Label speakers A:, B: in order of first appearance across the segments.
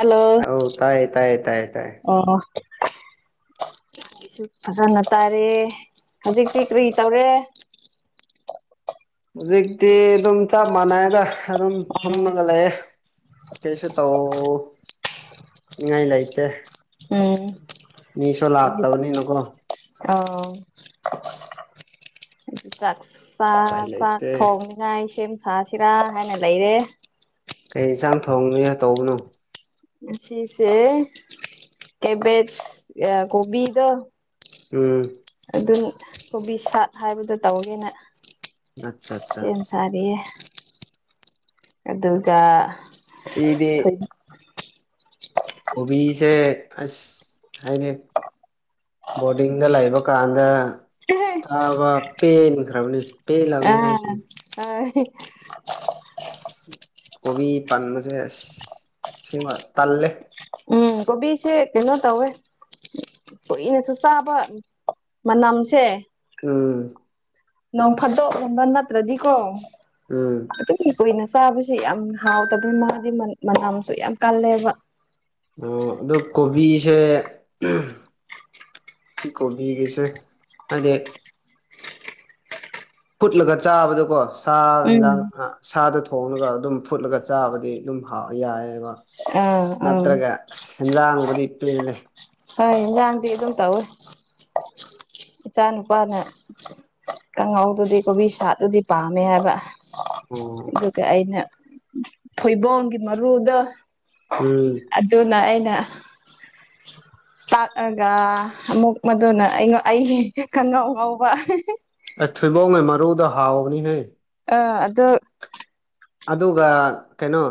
A: hello
B: ꯑꯥꯎ ꯇꯥꯌꯦ ꯇꯥꯌꯦ ꯇꯥꯌꯦ ꯇꯥꯌꯦ
A: ꯑꯣ ꯑꯣ ꯐꯖꯅ ꯇꯥꯔꯦ ꯍꯧꯖꯤꯛꯇꯤ ꯀꯔꯤ ꯇꯧꯔꯦ
B: ꯍꯧꯖꯤꯛꯇꯤ ꯑꯗꯨꯝ ꯆꯞ ꯃꯥꯟꯅꯑꯦꯗ ꯑꯗꯨꯝ ꯐꯝꯂꯒ ꯂꯩꯌꯦ ꯀꯩꯁꯨ ꯇꯧꯅꯤꯡꯉꯥꯏ ꯂꯩꯇꯦ
A: ꯑꯧ
B: ꯃꯤꯁꯨ ꯂꯥꯛꯇꯕꯅꯤꯅꯀꯣ
A: ꯑꯧ ꯆꯥꯛꯆꯥ
B: ꯎꯄꯥꯏ
A: ꯆꯥꯛ
B: ꯂꯩꯇꯦ
A: ꯊꯣꯡꯅꯤꯉꯥꯏ ꯁꯦꯝ ꯁꯥꯁꯤꯔꯥ ꯍꯥꯏꯅ ꯂꯩꯔꯦ
B: ꯀꯩ ꯌꯦꯟꯁꯥꯡ ꯊꯣꯡꯅꯤꯉꯥꯏ ꯇꯧꯕꯅꯣ
A: ꯉꯁꯤꯁꯦ ꯀꯦꯕꯦꯖ ꯑ ꯀꯣꯕꯤꯗꯣ
B: ꯎꯝ
A: ꯑꯗꯨꯅꯤ ꯀꯣꯕꯤ ꯁꯥꯛ ꯍꯥꯏꯕꯗꯣ ꯇꯧꯒꯦꯅ
B: ꯑꯆꯥ ꯆꯥ
A: ꯁꯥꯔꯦ ꯑꯗꯨꯗ
B: ꯄꯤꯗꯤ ꯀꯣꯕꯤꯁꯦ ꯑꯁ ꯍꯥꯏꯗꯤ ꯕꯣꯔꯗꯤꯡꯗ ꯂꯩꯕ ꯀꯥꯟꯗ ꯆꯥꯕ ꯄꯦꯟꯈ꯭ꯔꯕꯅꯤ ꯄꯦꯜꯂꯕꯅꯤ
A: ꯑꯥ
B: ꯍꯥꯏꯁꯤꯅꯤ
A: ꯍꯣꯏ
B: ꯀꯣꯕꯤ ꯄꯟꯕꯁꯦ ꯑꯁ ꯁꯦꯡꯕ ꯇꯜꯂꯦ
A: ꯎꯝ ꯀꯣꯕꯤꯁꯦ ꯀꯩꯅꯣ ꯇꯧꯋꯦ ꯀꯨꯏꯅꯁꯨ ꯆꯥꯕ ꯃꯅꯝꯁꯦ
B: ꯎꯝ
A: ꯅꯣꯡ ꯐꯥꯗꯣꯛꯀꯨꯝꯕ ꯅꯠꯇ꯭ꯔꯗꯤꯀꯣ
B: ꯎꯝ
A: ꯑꯗꯨꯝ ꯀꯨꯏꯅ ꯆꯥꯕꯁꯤ ꯌꯥꯝ ꯍꯥꯎꯇꯕ ꯃꯥꯗꯤ ꯃꯅꯝ ꯃꯅꯝꯁꯨ ꯌꯥꯝ ꯀꯜꯂꯦꯕ
B: ꯑꯣ ꯑꯗꯣ ꯀꯣꯕꯤꯁꯦ ꯁꯤ ꯀꯣꯕꯤꯒꯤꯁꯦ ꯍꯥꯏꯗꯤ ꯐꯨꯠꯂꯒ ꯆꯥꯕꯗꯀꯣ ꯁꯥ
A: ꯎꯝ
B: ꯌꯤꯟꯖꯥꯡ ꯑ ꯁꯥꯗ ꯊꯣꯉꯒ ꯑꯗꯨꯝ ꯐꯨꯠꯂꯒ ꯆꯥꯕꯗꯤ ꯑꯗꯨꯝ ꯍꯥꯎ ꯌꯥꯏꯑꯦꯕ
A: ꯑꯥ ꯑꯥ
B: ꯅꯠꯇ꯭ꯔꯒ ꯑꯁ ꯍꯦꯟꯖꯥꯡꯕꯨꯗꯤ ꯄꯦꯜꯂꯦ
A: ꯍꯣꯏ ꯍꯦꯟꯖꯥꯡꯗꯤ ꯑꯗꯨꯝ ꯇꯧꯏ ꯏꯆꯥ ꯅꯨꯄꯥꯅ ꯀꯥꯡꯍꯥꯎꯗꯨꯗꯤ ꯀꯣꯕꯤ ꯁꯥꯗꯨꯗꯤ ꯄꯥꯝꯃꯦ ꯍꯥꯏꯕ
B: ꯑꯣ
A: ꯑꯗꯨꯒꯤ ꯑꯩꯅ ꯊꯣꯏꯕꯣꯡꯒꯤ ꯃꯔꯨꯗꯣ
B: ꯎꯝ
A: ꯑꯗꯨꯅ ꯑꯩꯅ ꯇꯥꯛꯑꯒ ꯑꯃꯨꯛ ꯃꯗꯨꯅ ꯑꯩꯉ ꯑꯩꯒꯤ ꯀꯥꯡꯉꯧ ꯉꯧꯕ
B: ꯑꯁ ꯊꯨꯏꯕꯣꯡꯒꯤ ꯃꯔꯨꯗ ꯍꯥꯎꯕꯅꯤꯍꯦ
A: ꯑ ꯑꯗꯨꯛ
B: ꯑꯗꯨꯒ ꯀꯩꯅꯣ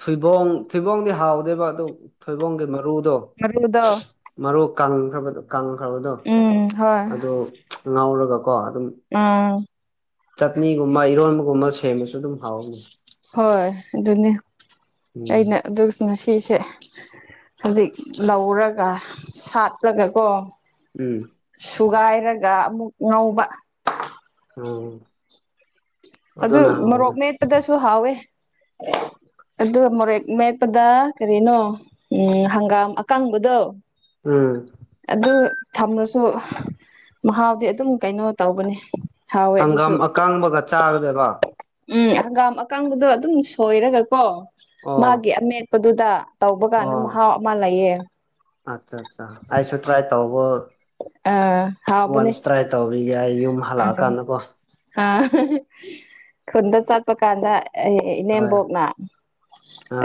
B: ꯊꯨꯏꯕꯣꯡ ꯊꯩꯕꯣꯡꯗꯤ ꯍꯥꯎꯗꯦꯕ ꯑꯗꯨ ꯊꯩꯕꯣꯡꯒꯤ ꯃꯔꯨꯗꯣ
A: ꯃꯔꯨꯗꯣ
B: ꯃꯔꯨ ꯀꯪꯈ꯭ꯔꯕ ꯀꯪꯈ꯭ꯔꯕꯗꯣ
A: ꯎꯝ ꯍꯣꯏ
B: ꯑꯗꯨ ꯉꯧꯔꯒꯀꯣ ꯑꯗꯨꯝ
A: ꯎꯝ
B: ꯆꯠꯅꯤꯒꯨꯝꯕ ꯏꯔꯣꯟꯕꯒꯨꯝꯕ ꯁꯦꯝꯕꯁꯨ ꯑꯗꯨꯝ ꯍꯥꯎ
A: ꯍꯣꯏ ꯑꯗꯨꯅꯤ ꯑꯩꯅ
B: ꯎꯝ
A: ꯑꯗꯨꯁ ꯉꯁꯤꯁꯦ ꯍꯧꯖꯤꯛ ꯂꯧꯔꯒ ꯁꯥꯠꯂꯒꯀꯣ
B: ꯎꯝ
A: ꯁꯨꯒꯥꯏꯔꯒ ꯑꯃꯨꯛ ꯉꯧꯕ
B: ꯎꯝ
A: ꯑꯗꯨ
B: ꯑꯗꯨꯅ
A: ꯃꯣꯔꯣꯛ
B: ꯍꯥꯎꯕꯅꯤ
A: ꯃꯦꯠꯄꯗꯁꯨ ꯍꯥꯎꯋꯦ ꯑꯗꯨ ꯃꯣꯔꯦꯛ ꯃꯦꯠꯄꯗ ꯀꯔꯤꯅꯣ ꯎꯝ ꯍꯪꯒꯥꯝ ꯑꯀꯪꯕꯗꯣ
B: ꯎꯝ
A: ꯑꯗꯨ ꯊꯝꯔꯁꯨ ꯃꯍꯥꯎꯗꯤ ꯑꯗꯨꯝ ꯀꯩꯅꯣ ꯇꯧꯕꯅꯤ
B: ꯍꯪꯒꯥꯝ ꯑꯀꯪꯕꯒ ꯆꯥꯒꯗꯕ
A: ꯎꯝ ꯍꯪꯒꯥꯝ ꯑꯀꯪꯕꯗꯣ ꯑꯗꯨꯝ ꯁꯣꯏꯔꯒꯀꯣ ꯃꯥꯒꯤ
B: ꯑꯣ
A: ꯑꯃꯦꯠꯄꯗꯨꯗ ꯇꯧꯕꯒꯥꯟꯗ
B: ꯑꯣ
A: ꯃꯍꯥꯎ ꯑꯃ ꯂꯩꯌꯦ
B: ꯑꯠꯆꯥ ꯆꯥ ꯑꯩꯁꯨ ꯇ꯭ꯔꯥꯏ ꯇꯧꯕ
A: ꯑ ꯍꯥꯥꯎꯕꯅꯤ
B: ꯂꯨꯒꯥꯏꯌꯨꯝ ꯍꯜꯂꯛꯑꯀꯥꯟꯗꯀꯣ
A: ꯍꯥ ꯈꯨꯟꯗ ꯆꯠꯄ ꯀꯥꯟꯗ ꯑꯩ
B: ꯍꯣꯏ
A: ꯏꯅꯦꯝꯕꯣꯛꯅ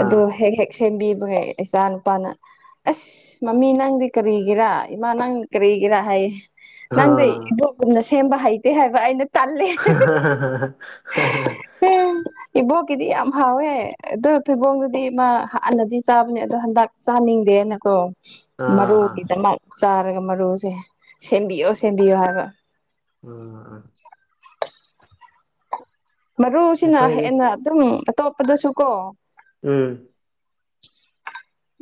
A: ꯑꯗꯨ ꯍꯦꯛ ꯍꯦꯛ ꯁꯦꯝꯕꯤꯕꯒꯩ ꯏꯆꯥ ꯅꯨꯨꯄꯥꯅ ꯑꯁ ꯃꯃꯤ ꯅꯪꯗꯤ ꯀꯔꯤꯒꯤꯔꯥ ꯏꯃꯥ ꯅꯪ ꯀꯔꯤꯒꯤꯔꯥ ꯍꯥꯏꯌꯦ ꯅꯪꯗꯤ
B: ꯑꯥ
A: ꯏꯕꯣꯛꯒꯨꯝꯅ ꯁꯦꯝꯕ ꯍꯩꯇꯦ ꯍꯥꯏꯕ ꯑꯩꯅ ꯇꯜꯂꯦ [unintelligible] ꯏꯕꯣꯛꯀꯤꯗꯤ ꯌꯥꯝ ꯍꯥꯎꯋꯦ ꯑꯗꯣ ꯊꯩꯕꯣꯡꯗꯨꯗꯤ ꯃꯥ ꯍꯥꯟꯅꯗꯤ ꯆꯥꯕꯅꯦ ꯑꯗꯣ ꯍꯟꯗꯛ ꯆꯥꯅꯤꯡꯗꯦꯅꯀꯣ
B: ꯑꯥ ꯑꯥ
A: ꯃꯔꯨꯒꯤꯗꯃꯛ ꯆꯥꯔꯒ ꯃꯔꯨꯁꯦ ꯁꯦꯝꯕꯤꯌꯣ ꯁꯦꯝꯕꯤꯌꯣ ꯍꯥꯏꯕ
B: ꯎꯝ
A: ꯃꯔꯨꯁꯤꯅ
B: ꯑꯩꯈꯣꯏꯗꯤ
A: ꯍꯦꯟꯅ ꯑꯗꯨꯝ ꯑꯇꯣꯞꯄꯗꯁꯨ ꯀꯣ
B: ꯎꯝ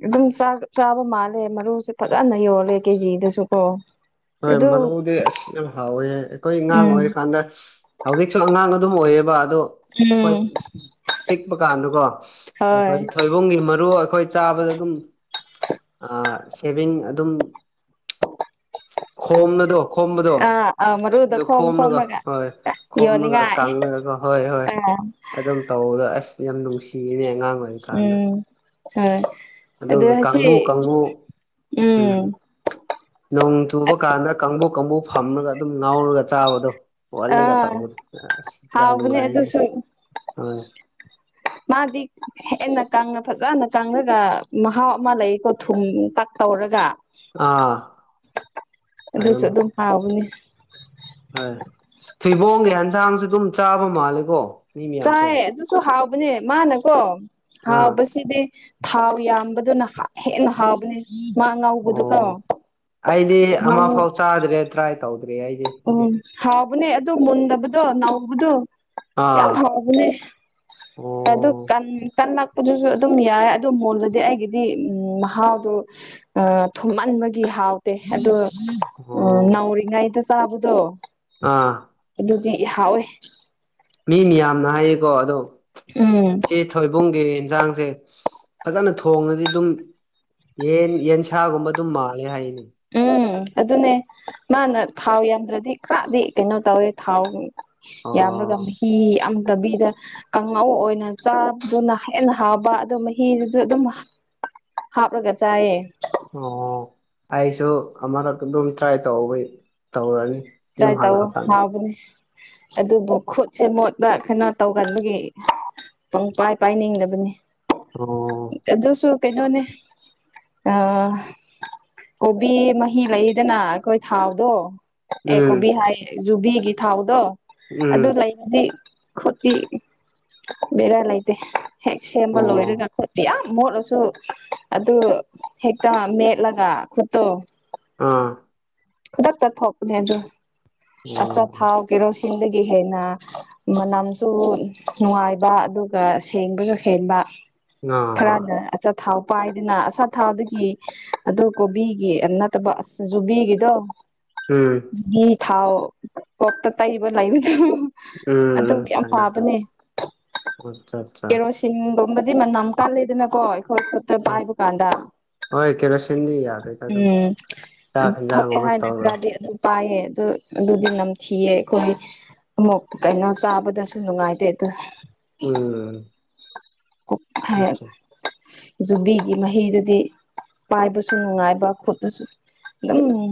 A: ꯑꯗꯨꯝ ꯆꯥ ꯆꯥꯕ ꯃꯥꯜꯂꯦ ꯃꯔꯨꯁꯦ ꯐꯖꯅ ꯌꯣꯜꯂꯦ ꯀꯦꯖꯤꯗꯁꯨ ꯀꯣ
B: ꯍꯣꯏ
A: ꯑꯗꯨ
B: ꯃꯔꯨꯗꯤ ꯑꯁ ꯌꯥꯝ ꯍꯥꯎꯋꯦ ꯑꯩꯈꯣꯏ ꯑꯉꯥꯡ
A: ꯎꯝ
B: ꯑꯣꯏꯔꯤ ꯀꯥꯟꯗ ꯍꯧꯖꯤꯛꯁꯨ ꯑꯉꯥꯡ ꯑꯗꯨꯝ ꯑꯣꯏꯌꯦꯕ ꯑꯗꯣ ꯍꯣꯏ
A: ꯎꯝ
B: ꯄꯤꯛꯄ ꯀꯥꯟꯗꯀꯣ ꯑꯩꯈꯣꯏ
A: ꯍꯣꯏ
B: ꯊꯣꯏ ꯕꯨꯡꯒꯤ ꯃꯔꯨ ꯑꯩꯈꯣꯏ ꯆꯥꯕꯗ ꯑꯗꯨꯝ ꯁꯦꯚꯦꯟ ꯑꯗꯨꯝ ꯈꯣꯝꯕꯗꯣ ꯈꯣꯝꯕꯗꯣ
A: ꯑꯥ ꯑꯥ ꯃꯔꯨꯗ
B: ꯑꯗꯨ
A: ꯈꯣꯝ
B: ꯈꯣꯝꯂꯒ
A: ꯈꯣꯝꯔꯒ
B: ꯍꯣꯏ ꯈꯣꯝꯂꯒ
A: ꯌꯣꯟꯅꯤꯡꯉꯥꯏ
B: ꯀꯪꯔꯒ ꯍꯣꯏ ꯍꯣꯏ
A: ꯑꯥ
B: ꯑꯗꯨꯝ ꯇꯧꯕꯗ ꯑꯁ ꯌꯥꯝ ꯅꯨꯡꯁꯤꯅꯦ ꯑꯉꯥꯡ ꯑꯣꯏꯔꯤ ꯀꯥꯟꯗꯣ
A: ꯎꯝ ꯍꯣꯏ ꯑꯗꯣ ꯉꯁꯤ
B: ꯀꯥꯡꯕꯨ ꯀꯥꯡꯕꯨ
A: ꯎꯝ
B: ꯅꯣꯡ ꯆꯨꯕ ꯀꯥꯟꯗ ꯀꯥꯡꯕꯨꯛ ꯀꯥꯡꯕꯨꯛ ꯐꯝꯃꯒ ꯑꯗꯨꯝ ꯉꯧꯔꯒ ꯆꯥꯕꯗꯣ ꯋꯥꯔꯤꯒ
A: ꯑꯥ
B: ꯇꯧꯕ ꯑꯁ ꯌꯥꯝ
A: ꯍꯥꯎꯕꯅꯦ
B: ꯅꯨꯡꯉꯥꯏꯔꯦ
A: ꯑꯗꯨꯁꯨ
B: ꯍꯣꯏ
A: [unintelligible] ꯃꯥꯗꯤ ꯍꯦꯟꯅ ꯀꯪꯉ ꯐꯖꯅ ꯀꯪꯉꯒ ꯃꯍꯥꯎ ꯑꯃ ꯂꯩꯀꯣ ꯊꯨꯝꯇꯛ ꯇꯧꯔꯒ
B: ꯑꯥ
A: ꯑꯗꯨꯁꯨ ꯑꯗꯨꯝ ꯍꯥꯎꯕꯅꯦ
B: ꯍꯣꯏ ꯊꯩꯕꯣꯡꯒꯤ ꯏꯟꯁꯥꯡꯁꯨ ꯑꯗꯨꯝ ꯆꯥꯕ ꯃꯥꯜꯂꯦꯀꯣ ꯃꯤ ꯃꯌꯥꯝꯁꯦ
A: ꯆꯥꯏ ꯑꯗꯨꯁꯨ ꯍꯥꯎꯕꯅꯦ ꯃꯥꯅꯀꯣ
B: ꯑꯥ
A: ꯍꯥꯎꯕꯁꯤꯗꯤ ꯊꯥꯎ ꯌꯥꯝꯕꯗꯨꯅ ꯍꯦꯟꯅ ꯍꯥꯥꯎꯕꯅꯦ ꯃꯥ ꯉꯧꯕꯗꯨꯀꯣ
B: ꯑꯣ ꯑꯩꯗꯤ
A: ꯀꯩꯅꯣ ꯉꯧ
B: ꯑꯃꯐꯥꯎ ꯆꯥꯗ꯭ꯔꯦ ꯇ꯭ꯔꯥꯏ ꯇꯧꯗ꯭ꯔꯦ ꯑꯩꯗꯤ ꯍꯥꯏꯗꯤ
A: ꯎꯝ ꯍꯥꯎꯕꯅꯦ ꯑꯗꯨ ꯃꯨꯟꯗꯕꯗꯣ ꯅꯧꯕꯗꯣ
B: ꯑꯥ
A: ꯌꯥꯝ ꯍꯥꯎ ꯕꯅꯦ ꯑꯗꯨ
B: ꯑꯣ
A: ꯀꯟ ꯀꯜꯂꯛꯄꯗꯨꯁꯨ ꯑꯗꯨꯝ ꯌꯥꯏ ꯑꯗꯨ [inaudible] ꯑꯩꯒꯤꯗꯤ ꯎꯝ ꯃꯍꯥꯎꯗꯣ ꯑ ꯊꯨꯝꯃꯟꯕꯒꯤ ꯍꯥꯎꯇꯦ ꯑꯗꯣ
B: ꯑꯣ
A: ꯅꯧꯔꯤꯉꯩꯗ ꯆꯥꯕꯗꯣ
B: ꯑꯥ
A: ꯑꯗꯨꯗꯤꯍꯥꯎꯋꯦ
B: ꯃꯤ ꯃꯌꯥꯝꯅ ꯍꯥꯏꯌꯦꯀꯣ ꯑꯗꯣ
A: ꯎꯝ
B: ꯊꯩꯕꯣꯡꯒꯤ ꯏꯟꯁꯥꯡꯁꯦ ꯐꯖꯅ ꯊꯣꯡꯉꯗꯤ ꯑꯗꯨꯝ ꯌꯦꯟ ꯌꯦꯟꯁꯥꯒꯨꯝꯕ ꯑꯗꯨꯝ ꯃꯥꯜꯂꯦ ꯍꯥꯏꯌꯦꯅꯦ
A: ꯎꯝ ꯑꯗꯨꯅꯦ ꯃꯥꯅ ꯊꯥꯎ ꯌꯥꯝꯗ꯭ꯔꯗꯤ ꯈꯔꯗꯤ ꯀꯩꯅꯣ ꯇꯧꯋꯦ ꯊꯥꯎ ꯌꯥꯝꯃꯒ
B: ꯑꯣ
A: ꯃꯍꯤ ꯌꯥꯝꯗꯕꯤꯗ ꯀꯥꯡꯉꯧ ꯑꯣꯏꯅ ꯆꯥꯕꯗꯨꯅ ꯍꯦꯟꯅ ꯍꯥꯎꯕ ꯑꯗꯣ ꯃꯍꯤꯗꯨꯁꯨ ꯑꯗꯨꯝ ꯍꯥꯞꯂꯒ ꯆꯥꯏꯌꯦ
B: ꯑꯣ ꯑꯩꯁꯨ ꯑꯃꯨꯔꯛ ꯑꯗꯨꯝ ꯇ꯭ꯔꯥꯏ ꯇꯧꯔꯒ ꯇꯧꯔꯅꯤ ꯌꯨꯝ
A: ꯇ꯭ꯔꯥꯏ ꯇꯧꯋꯣ
B: ꯍꯜꯂꯛꯑꯀꯥꯟꯗ
A: ꯍꯥꯎꯕꯅꯦ ꯑꯗꯨꯕꯨ ꯈꯨꯠꯁꯦ ꯃꯣꯠꯄ ꯀꯩꯅꯣ ꯇꯧꯒꯟꯕꯒꯤ ꯄꯨꯡ ꯄꯥꯏ ꯄꯥꯏꯅꯤꯡꯗꯕꯅꯤ
B: ꯑꯣ
A: ꯑꯗꯨꯁꯨꯨ ꯀꯩꯅꯣꯅꯦ ꯑ ꯀꯣꯕꯤ ꯃꯍꯤ ꯂꯩꯗꯅ ꯑꯩꯈꯣꯏ ꯊꯥꯎꯗꯣ ꯑꯦ ꯀꯣꯕꯤ
B: ꯎꯝ
A: ꯍꯥꯏꯌꯦ ꯌꯨꯕꯤꯒꯤ ꯊꯥꯎꯗꯣ ꯑꯗꯨ
B: ꯎꯝ
A: ꯂꯩ ꯔꯗꯤ ꯈꯨꯠꯇꯤ ꯕꯦꯔꯥ ꯂꯩꯥꯇꯦ ꯍꯦꯛ ꯁꯦꯝꯕ ꯂꯣꯏꯔꯒ
B: ꯑꯣ
A: ꯑꯩꯈꯣꯏꯗꯤ ꯌꯥꯝ ꯃꯣꯠꯂꯁꯨ ꯑꯗꯨ ꯍꯦꯛꯇ ꯃꯦꯠꯂꯒ ꯈꯨꯠꯇꯣ
B: ꯑꯥ
A: ꯈꯨꯗꯛꯇ ꯊꯣꯛꯄꯅꯦ ꯑꯗꯨ
B: ꯑꯣ
A: ꯑꯆꯥꯊꯥꯎ ꯀꯦꯔꯣꯁꯤꯟꯗꯒꯤ ꯍꯦꯟꯅ ꯃꯅꯝꯁꯨ ꯅꯨꯡꯉꯥꯏꯕ ꯑꯗꯨꯒ ꯁꯦꯡꯕꯁꯨ ꯍꯦꯟꯕ
B: ꯑꯥ ꯑꯥ
A: ꯈꯔꯅ ꯑꯆ ꯊꯥꯎ ꯄꯥꯏꯗꯅ ꯑꯆꯊꯥꯎꯗꯒꯤ ꯑꯗꯣ ꯀꯣꯕꯤꯒꯤ ꯅꯠꯇꯕ ꯅꯠꯇꯕ ꯑꯁ ꯌꯨꯕꯤꯒꯤꯗꯣ [inaudible]
B: ꯎꯝ
A: ꯌꯨꯕꯤ ꯊꯥꯎ ꯀꯣꯛꯇ ꯇꯩꯕ ꯂꯩꯥꯕꯗꯣ ꯑꯗꯨ
B: ꯎꯝ
A: ꯌꯥꯝ
B: ꯈꯪꯉꯦ
A: ꯐꯕꯅꯦ
B: ꯈꯪꯉꯦ ꯑꯠꯆꯥ ꯑꯠꯆꯥ
A: ꯀꯦꯔꯣꯁꯤ ꯁꯤꯟꯒꯨꯝꯕꯗꯤ ꯃꯅꯝ ꯀꯥꯂꯦꯗꯅꯀꯣ ꯑꯩꯈꯣꯏ ꯈꯨꯠꯇ
B: ꯎꯝ
A: ꯄꯥꯏꯕꯀꯥꯟꯗ
B: ꯍꯣꯏ ꯀꯦꯔꯣꯁꯤꯟꯗꯤ ꯌꯥꯗꯦꯗ ꯑꯗꯨꯝ
A: ꯎꯝ
B: ꯆꯥꯛ ꯍꯦꯟꯖꯥꯡ
A: ꯊꯣꯛꯑꯦ
B: ꯑꯃ
A: ꯍꯥꯏꯅ
B: ꯇꯧꯔ
A: ꯈꯔ ꯑꯗꯨ ꯄꯥꯏꯌꯦ ꯑꯗꯨ ꯑꯗꯨꯗꯤ ꯅꯝꯊꯤꯌꯦ ꯑꯩꯈꯣꯏ ꯑꯃꯨꯛ ꯀꯩꯅꯣ ꯆꯥꯕꯗꯁꯨ ꯅꯨꯡꯉꯥꯏꯇꯦ ꯑꯗꯨ
B: ꯎꯝ
A: ꯀꯣꯛꯐꯩ
B: ꯑꯠꯆꯥ
A: ꯌꯨꯕꯤꯒꯤ ꯃꯍꯤꯗꯨꯗꯤ ꯄꯥꯏꯕꯁꯨ ꯅꯨꯡꯉꯥꯏꯕ ꯈꯨꯠꯇꯁꯨ [unintelligible]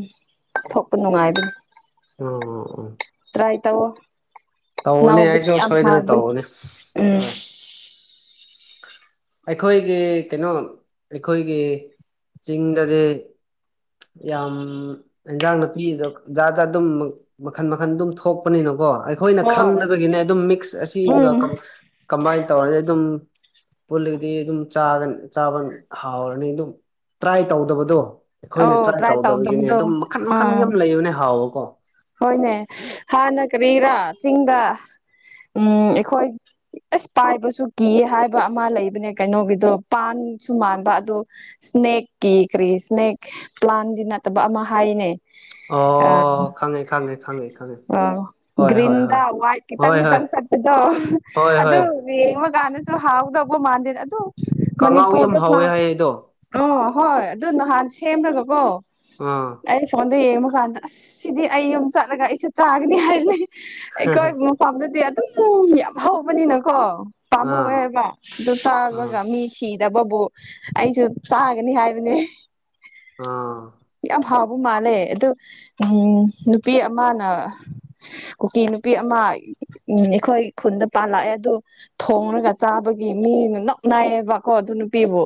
A: ꯊꯣꯛꯄ ꯅꯨꯉꯥꯏꯕꯅꯤ
B: ꯑꯣ ꯑꯣ ꯑꯣ
A: ꯇꯔꯥꯏ ꯇꯧꯋꫭ
B: ꯇꯧꯕꯅꯦ ꯑꯩꯁꯨ
A: ꯅꯧꯕꯗꫭ ꯌꯥꯝ
B: ꯁꯣꯏꯗꯅ
A: ꯍꯥꯎꯕꯅꯤ
B: ꯇꯧꯕꯅꯦ ꯍꯣꯏ ꯑꯩꯈꯣꯏꯒꯤ ꯀꯩꯅꯣ ꯑꯩꯈꯣꯏꯒꯤ ꯆꯤꯡꯗꯗꯤ ꯌꯥꯝ ꯍꯦꯟꯖꯥꯡ ꯅꯨꯄꯤꯗꯣ ꯖꯥꯠ ꯖꯥꯠ ꯑꯗꯨꯝ ꯃꯈꯟ ꯃꯈꯟ ꯑꯗꯨꯝ ꯊꯣꯛꯄꯅꯤꯅꯀꯣ ꯑꯩ ꯑꯩꯈꯣꯏꯅ
A: ꯍꯣꯏ
B: ꯈꯪꯗꯕꯒꯤꯅꯦ ꯑꯗꯨꯝ ꯃꯤꯛꯁ ꯑꯁꯤꯕꯒ
A: ꯎꯝ
B: ꯀꯝ ꯀꯝꯕꯥꯏꯟ ꯇꯧꯔꯗꯤ ꯑꯗꯨꯝ ꯄꯨꯜꯂꯒꯗꯤ ꯑꯗꯨꯝ ꯆꯥꯒ ꯆꯥꯕ ꯍꯥꯎꯔꯅꯤ ꯑꯗꯨꯝ ꯇ꯭ꯔꯥꯏ ꯇꯧꯗꯕꯗꯣ
A: ꯑꯣ
B: ꯑꯩꯈꯣꯏꯅ ꯇ꯭ꯔꯥꯏ ꯇꯧꯗꯕꯒꯤꯅꯦ
A: ꯇꯧꯗꯕꯗꯣ
B: ꯑꯗꯨꯝ ꯃꯈꯟ ꯃꯈꯟ
A: ꯑꯥ
B: ꯌꯥꯝ ꯂꯩꯕꯅꯦ ꯍꯥꯎꯕꯀꯣ
A: ꯍꯣꯏꯅꯦ ꯍꯥꯟꯅ ꯀꯔꯤꯔꯥ ꯆꯤꯡꯗ ꯎꯝ ꯑꯩꯈꯣꯏ ꯑꯁ ꯄꯥꯏꯕꯁꯨ ꯀꯤꯌꯦ ꯍꯥꯏꯕ ꯑꯃ ꯂꯩꯕꯅꯦ ꯀꯩꯅꯣꯒꯤꯗꯣ ꯄꯥꯟꯁꯨ ꯃꯥꯟꯕ ꯑꯗꯣ ꯏꯁ꯭ꯅꯦꯛꯀꯤ ꯀ꯭ꯔꯤ ꯏꯁ꯭ꯅꯦꯛ ꯄ꯭ꯂꯥꯟꯗꯤ ꯅꯠꯇꯕ ꯑꯃ ꯍꯥꯏꯅꯦ
B: ꯑꯣ ꯈꯪꯉꯦ ꯈꯪꯉꯦ ꯈꯪꯉꯦ ꯈꯪꯉꯦ
A: ꯑꯣ
B: ꯍꯣꯏ ꯍꯣꯏ
A: ꯒꯔꯤꯟꯗ
B: ꯍꯣꯏ
A: ꯋꯥꯏꯠ ꯈꯤꯇꯪ
B: ꯍꯣꯏ ꯍꯣꯏ
A: ꯈꯤꯇꯪ ꯆꯠꯄꯗꯣ
B: ꯍꯣꯏ
A: ꯑꯗꯨ
B: ꯍꯣꯏ
A: ꯌꯦꯡꯕꯀꯥꯟꯗꯁꯨ ꯍꯥꯎꯗꯧꯕ ꯃꯥꯥꯟꯗꯦꯗ ꯑꯗꯨ
B: ꯀꯥꯡꯉꯥꯎ ꯌꯥꯝ
A: ꯃꯅꯤꯄꯨꯔꯗ ꯐꯥ
B: ꯍꯥꯎꯋꯦ ꯍꯥꯏꯌꯦ ꯑꯗꯣ
A: ꯑꯣ ꯍꯣꯏ ꯑꯗꯨ ꯅꯍꯥꯟ ꯁꯦꯝꯃꯒ ꯀꯣ
B: ꯑꯥ
A: ꯐꯣꯟꯗ ꯌꯦꯡꯕꯀꯥꯟꯗ ꯑꯁ ꯁꯤꯗꯤ ꯑꯩ ꯌꯨꯝ ꯆꯠꯂꯒ ꯑꯩꯁꯨ ꯆꯥꯒꯅꯤ ꯍꯥꯏꯕꯅꯦ ꯑꯩꯈꯣꯏꯕꯨ ꯁꯣꯝꯗꯗꯤ ꯑꯗꯨꯝ ꯌꯥꯝ ꯍꯧꯕꯅꯤꯅꯀꯣ
B: ꯑꯥ
A: ꯄꯥꯝꯃꯨꯌꯦꯕꯀꯣ ꯑꯗꯨ
B: ꯑꯥ
A: ꯆꯥꯕꯒ ꯃꯤ ꯁꯤꯗꯕꯕꯨ ꯑꯩꯁꯨ ꯆꯥꯒꯅꯤ ꯍꯥꯏꯕꯅꯦ
B: ꯑꯥ
A: ꯌꯥꯝ ꯍꯥꯎꯕ ꯃꯥꯜꯂꯦ ꯑꯗꯨ ꯎꯝ ꯅꯨꯄꯤ ꯑꯃꯅ ꯁ ꯀꯨꯀꯤ ꯅꯨꯄꯤ ꯑꯃ ꯎꯝ ꯑꯩꯈꯣꯏ ꯈꯨꯟꯗ ꯄꯥꯜꯂꯛꯑꯦ ꯑꯗꯨ ꯊꯣꯡꯔꯒ ꯆꯥꯕꯒꯤ ꯃꯤꯅ ꯅꯣꯛꯅꯌꯦꯕꯀꯣ ꯑꯗꯨ ꯅꯨꯄꯤꯕꯨ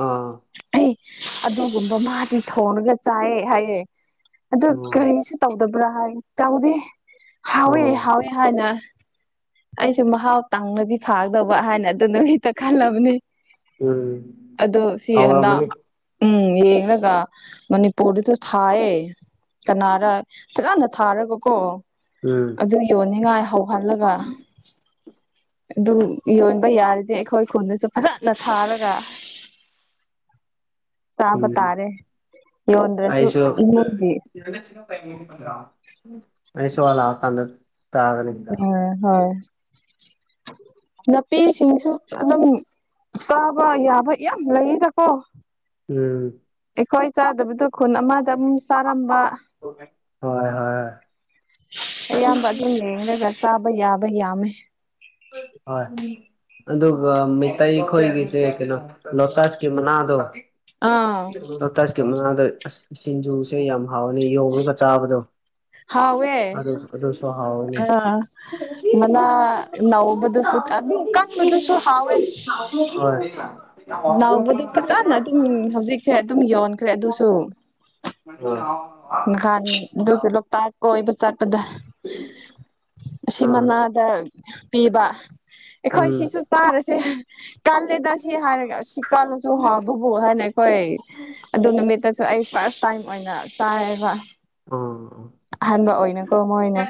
B: ꯑꯥ
A: ꯑꯦ ꯑꯗꯨꯒꯨꯝꯕ ꯃꯥꯗꯤ ꯊꯣꯡꯔꯒ ꯆꯥꯏ ꯍꯥꯏꯌꯦ ꯑꯗꯨ
B: ꯑꯣ
A: ꯀꯔꯤꯁꯨ ꯇꯧꯗꯕ꯭ꯔꯥ ꯍꯥꯏ ꯇꯧꯗꯦ ꯍꯥꯎꯋꯦ
B: ꯎꯝ
A: ꯍꯥꯎꯋꯦ ꯍꯥꯏꯅ ꯑꯩꯁꯨ ꯃꯍꯥꯎ ꯇꯪꯂꯗꯤ ꯐꯥꯒꯗꯧꯕ ꯍꯥꯏꯅ ꯑꯗꯨ ꯅꯨꯃꯤꯠꯇ ꯈꯜꯂꯕꯅꯤ
B: ꯎꯝ
A: ꯑꯗꯨ ꯁꯤ ꯍꯟꯗꯥ
B: ꯍꯧꯔꯕꯅꯤ
A: ꯎꯝ ꯌꯦꯡꯂꯒ ꯃꯅꯤꯄꯨꯔꯗꯁꯨ ꯊꯥꯏꯌꯦ ꯀꯅꯥꯔ ꯐꯖꯥꯟꯅ ꯊꯥꯔꯒꯀꯣ
B: ꯎꯝ
A: ꯑꯗꯨ ꯌꯣꯟꯅꯤꯉꯥꯏ ꯍꯧꯍꯜꯂꯒ ꯑꯗꯨ ꯌꯣꯟꯕ ꯌꯥꯔꯗꯤ ꯑꯩꯈꯣꯏ ꯈꯨꯟꯗꯁꯨ ꯐꯖꯥꯅ ꯊꯥꯔꯒ ꯆꯥꯕ
B: ꯎꯝ
A: ꯇꯥꯔꯦ ꯌꯗ꯭ꯔꯁꯨ ꯏꯃꯨꯡꯒꯤ
B: [unintelligible] ꯎꯝ ꯃꯅꯤꯁꯨ ꯋꯥ ꯂꯥꯛꯑꯀꯥꯟꯗ ꯇꯥꯒꯅꯤ
A: ꯑꯥ ꯍꯣꯏ ꯅꯥꯄꯤꯁꯤꯡꯁꯨ ꯑꯗꯨꯝ ꯆꯥꯕ ꯌꯥꯕ ꯌꯥꯝ ꯂꯩꯌꯦꯗꯀꯣ
B: ꯎꯝ
A: ꯑꯩꯈꯣꯏ ꯆꯥꯗꯕꯗꯨ ꯈꯨꯟ ꯑꯃꯗ ꯑꯃꯨꯛ ꯆꯥꯔꯝꯕ
B: ꯍꯣꯏ ꯍꯣꯏ
A: ꯑꯌꯥꯝꯕ ꯑꯗꯨꯝ ꯌꯦꯡꯔꯒ ꯆꯥꯕ ꯌꯥꯕ ꯌꯥꯝꯃꯦ
B: ꯍꯣꯏ ꯎꯝ ꯑꯗꯨꯒ ꯃꯤꯇꯩꯩ ꯈꯣꯏꯒꯤꯁꯦ ꯀꯩꯅꯣ ꯂꯣꯇꯁꯀꯤ ꯃꯅꯥꯗꯣ
A: ꯑꯥ
B: ꯂꯣꯛꯇꯁꯀꯤ ꯃꯅꯥꯗꯣ ꯑꯁ ꯁꯤꯡꯖꯨꯁꯦ ꯌꯥꯝ ꯍꯥꯎꯋꯅꯤ ꯌꯣꯡꯉꯒ ꯆꯥꯕꯗꯣ
A: ꯍꯥꯎꯋꯦ
B: ꯑꯗꯨꯁꯨꯣ ꯍꯥꯎ__
A: ꯑꯥ ꯃꯅꯥ ꯅꯧꯕꯗꯨꯁꯨ ꯑꯗꯨ ꯀꯥꯟꯕꯗꯨꯁꯨꯨ ꯍꯥꯎꯋꯦ
B: ꯍꯣꯏ
A: ꯅꯥꯎꯕꯗꯤ ꯐꯖꯅ ꯑꯗꯨꯝ ꯍꯧꯖꯤꯛꯁꯦ ꯑꯗꯨꯝ ꯌꯣꯟꯈ꯭ꯔꯦ ꯑꯗꯨꯁꯨ
B: [unintelligible] ꯑꯥ
A: ꯥꯉꯥꯍꯥꯟ ꯑꯗꯨꯒꯤ ꯂꯣꯛꯇꯥꯛ ꯀꯣꯏꯕ ꯆꯠꯄꯗ ꯑꯁꯤ ꯃꯅꯥꯗ ꯄꯤꯕ ꯑꯩꯈꯣꯏ
B: ꯎꯝ
A: ꯁꯤꯁꯨ ꯇꯥꯔꯁꯦ ꯀꯜꯂꯦꯗ ꯁꯤ ꯍꯥꯏꯔꯒ ꯁꯤ ꯀꯜꯂꯁꯨ ꯍꯥꯎꯕꯕꯨ ꯍꯥꯏꯅ ꯑꯩꯈꯣꯏ ꯑꯗꯨ ꯅꯨꯃꯤꯠ__ ꯗꯁꯨ ꯑꯩ ꯐꯥꯔꯁ ꯇꯥꯏꯝ ꯑꯣꯏꯅ ꯆꯥꯏꯌꯦꯕ
B: ꯑꯣ
A: ꯑꯍꯥꯟꯕ ꯑꯣꯏꯅꯀꯣ ꯃꯣꯏꯅ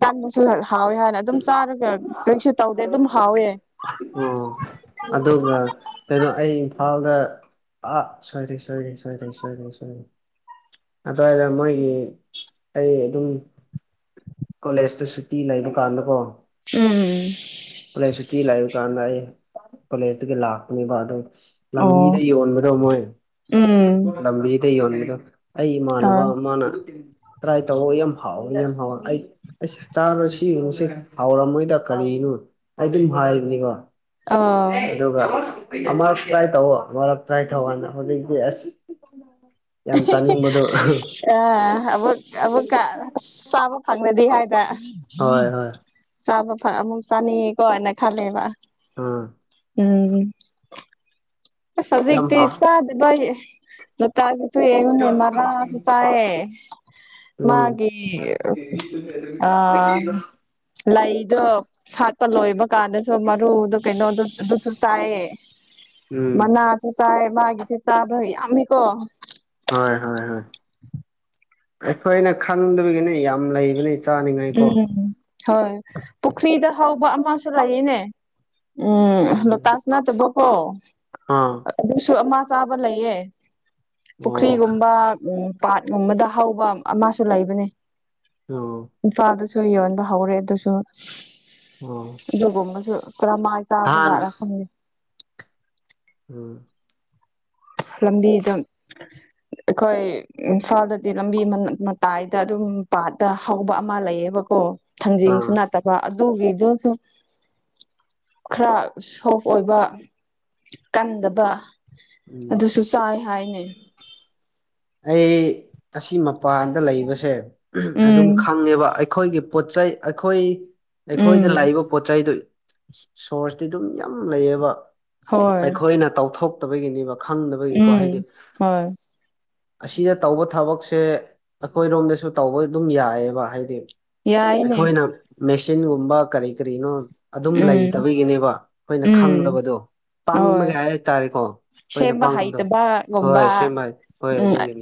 A: ꯇꯟꯕꯁꯨ ꯍꯥꯎꯋꯤ ꯍꯥꯏꯅ ꯑꯗꯨꯝ ꯆꯥꯔꯒ ꯀꯩꯁꯨ ꯇꯧꯗꯦ ꯑꯗꯨꯝ ꯍꯥꯎꯋꯦ
B: ꯑꯣ ꯑꯗꯨꯒ ꯀꯩꯅꯣ ꯑꯩ ꯏꯝꯐꯥꯜꯗ ꯑꯥ ꯁꯣꯏꯔꯦ ꯁꯣꯏꯔꯦ ꯁꯣꯏꯔꯦ ꯁꯣꯏꯔꯦ ꯁꯣꯏꯔꯦ ꯑꯗ꯭ꯋꯥꯏꯗ ꯃꯣꯏꯒꯤ ꯑꯩ ꯑꯗꯨꯝ ꯀꯣꯂꯦꯖꯇ ꯁꯨꯇꯤ ꯂꯩꯕ ꯀꯥꯟꯗ ꯀꯣ
A: ꯎꯝ
B: ꯀꯣꯂꯦꯖ ꯁꯨꯇꯤ ꯂꯩꯥꯕ ꯀꯥꯟꯗ ꯑꯩ ꯀꯣꯂꯦꯖꯇꯒꯤ ꯂꯥꯛꯄꯅꯤꯕ ꯑꯗꯨ ꯂꯝꯕꯤꯗ
A: ꯑꯣ
B: ꯌꯣꯟꯕꯗꯣ ꯃꯣꯏ
A: ꯎꯝ
B: ꯂꯝꯕꯤꯗ ꯌꯣꯟꯕꯗꯣ ꯑꯩ
A: ꯍ
B: ꯏꯃꯥꯟꯅꯕ ꯑꯃꯅ ꯇ꯭ꯔꯥꯏ ꯇꯧꯑꯣ ꯌꯥꯝ ꯍꯥꯎꯕꯅꯤ ꯌꯥꯝ ꯍꯥꯎꯕꯅꯤ ꯑꯩ ꯑꯩꯁ ꯆꯥꯔꯣꯏ ꯁꯤꯁꯤꯡꯁꯦ ꯍꯥꯎꯔꯝꯃꯣꯏꯗ ꯀꯔꯤꯅꯣ ꯑꯩ ꯑꯗꯨꯝ ꯍꯥꯏꯕꯅꯤꯕ
A: ꯑꯣ
B: ꯑꯗꯨꯒ ꯑꯃꯔꯛ ꯇ꯭ꯔꯥꯏ ꯇꯧꯑꯣ ꯑꯃꯔꯛ ꯇ꯭ꯔꯥꯏ ꯇꯧꯑꯣ ꯍꯧꯖꯤꯛꯇꯤ ꯑꯁ ꯌꯥꯝ ꯆꯥꯅꯤꯡꯕꯗꯣ
A: ꯑ ꯑꯃꯨꯛ ꯑꯃꯨꯛꯀ ꯑꯁ ꯆꯥꯕ ꯐꯪꯉꯗꯤ ꯍꯥꯏꯗꯔ
B: ꯍꯣꯏ ꯍꯣꯏ
A: ꯆꯥꯕ ꯑꯃꯨꯛ ꯆꯥꯅꯤꯡꯉꯦꯀꯣꯅ ꯈꯜꯂꯦꯕ
B: ꯑꯥ
A: ꯎꯝ ꯑꯁ
B: ꯌꯥꯝ
A: ꯍꯧꯖꯤꯛꯇꯤ
B: ꯍꯥꯎ
A: ꯆꯥꯗꯦꯗ ꯑꯩ ꯃꯄꯥꯜꯁꯤꯁꯨ ꯌꯦꯡꯉꯨꯅꯦ ꯃꯔꯥꯁꯨ ꯆꯥꯏꯌꯦ
B: ꯎꯝ
A: ꯃꯥꯒꯤ ꯑꯥ ꯂꯩꯗꯣ ꯁꯥꯠꯄ ꯂꯣꯏꯕ ꯀꯥꯟꯗꯁꯨ ꯃꯔꯨꯗꯣ ꯀꯩꯅꯣꯗ ꯑꯗꯨꯁꯨ ꯆꯥꯏꯌꯦ
B: ꯎꯝ
A: ꯃꯅꯥꯁꯨ ꯆꯥꯏ ꯃꯥꯒꯤꯁꯦ ꯆꯥꯕ ꯌꯥꯝꯃꯤꯀꯣ
B: ꯍꯣꯏ ꯍꯣꯏ ꯍꯣꯏ ꯑꯩꯈꯣꯏꯅ ꯈꯪꯗꯕꯒꯤꯅꯦ ꯌꯥꯝ ꯂꯩꯕꯅꯦ ꯆꯥꯅꯤꯡꯉꯥꯏꯀꯣ
A: ꯎꯝ ꯍꯣꯏ ꯄꯨꯈ꯭ꯔꯤꯗ ꯍꯧꯕ ꯑꯃꯁꯨ ꯂꯩꯌꯦꯅꯦ ꯎꯝ ꯂꯣꯇꯁ ꯅꯠꯇꯕꯀꯣ
B: ꯑꯥ
A: ꯑꯗꯨꯁꯨ ꯑꯃ ꯆꯥꯕ ꯂꯩꯌꯦ
B: ꯑꯣ
A: ꯄꯨꯈ꯭ꯔꯤꯒꯨꯝꯕ ꯎꯝ ꯄꯥꯠꯀꯨꯝꯕꯗ ꯍꯧꯕ ꯑꯃꯁꯨ ꯂꯩꯕꯅꯦ
B: ꯑꯣ
A: ꯏꯝꯐꯥꯜꯗꯁꯨ ꯌꯣꯟꯕ ꯍꯧꯔꯦ ꯑꯗꯨꯁꯨ
B: ꯑꯣ
A: ꯑꯗꯨꯒꯨꯝꯕꯁꯨ ꯀꯔꯃꯥꯏ
B: ꯍꯥꯟ
A: ꯆꯥꯕꯖꯥꯠꯂ ꯈꯪꯗꯦ
B: ꯎꯝ
A: ꯂꯝꯕꯤꯗ ꯑꯩꯈꯣꯏ ꯏꯝꯐꯥꯜꯗꯗꯤ ꯂꯝꯕꯤ ꯃꯇꯥꯏꯗ ꯑꯗꯨꯝ ꯄꯥꯟ ꯇ ꯍꯧꯕ ꯑꯃ ꯂꯩꯌꯦꯕꯀꯣ ꯊꯥꯡꯖꯤꯡꯁꯨ
B: ꯑꯥ
A: ꯅꯠꯇꯕ ꯑꯗꯨꯒꯤꯗꯨꯁꯨ ꯈꯔ ꯁꯣꯐ ꯑꯣꯏꯕ ꯀꯟꯗꯕ
B: ꯎꯝ
A: ꯑꯗꯨꯁꯨ ꯆꯥꯏ ꯍꯥꯏꯅꯦ
B: ꯑꯩ ꯑꯁꯤ ꯃꯄꯥꯟꯗ ꯂꯩꯕꯁꯦ ꯑꯗꯨꯝ
A: ꯎꯝ
B: ꯈꯪꯉꯦꯕ ꯑꯩꯈꯣꯏꯒꯤ ꯄꯣꯠ ꯆꯩꯩ ꯑꯩꯈꯣꯏ ꯑꯩꯈꯣꯏꯗ
A: ꯎꯝ
B: ꯂꯥꯛꯏꯕ ꯄꯣꯠ ꯆꯩꯗꯨ ꯁꯣꯔꯁꯇꯤ ꯑꯗꯨꯝ ꯌꯥꯝ ꯂꯩꯌꯦꯕ
A: ꯍꯣꯏ
B: ꯑꯩꯈꯣꯏꯅ ꯇꯧꯊꯣꯛꯇꯕꯒꯤꯅꯦꯕ ꯈꯪꯗꯕꯒꯤꯀꯣ ꯍꯥꯏꯗꯤ
A: ꯎꯝ ꯍꯣꯏ
B: ꯑꯁꯤꯗ ꯇꯧꯕ ꯊꯕꯛꯁꯦ ꯑꯩꯈꯣꯏꯔꯣꯝꯗꯁꯨ ꯇꯧꯕ ꯑꯗꯨꯝ ꯌꯥꯏꯌꯦꯕ ꯍꯥꯏꯗꯤ
A: ꯌꯥꯏꯅꯦ
B: ꯑꯩꯈꯣꯏꯅ ꯃꯦꯆꯤꯟꯒꯨꯝꯕ ꯀꯔꯤ ꯀꯔꯤꯅꯣ ꯑꯗꯨꯝ
A: ꯎꯝ
B: ꯂꯩꯇꯕꯒꯤꯅꯦꯕ ꯑꯩꯈꯣꯏꯅ
A: ꯎꯝ
B: ꯈꯪꯗꯕꯗꯣ
A: ꯍꯣꯏ
B: ꯄꯡꯕꯒꯤ ꯍꯥꯏꯇꯥꯔꯦꯀꯣ ꯑꯩꯈꯣꯏꯅ
A: ꯁꯦꯝꯕ
B: ꯄꯡꯕꯗꯣ
A: ꯍꯩꯇꯕꯒꯨꯝꯕ
B: ꯍꯣꯏ ꯁꯦꯝꯕ ꯍꯣꯏ
A: ꯎꯝ
B: ꯑꯗꯨꯒꯤꯅꯤ